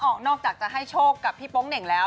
นอกจากจะให้โชคกับพี่โป๊งเหน่งแล้ว